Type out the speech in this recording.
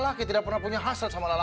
lu sih gatel banget sih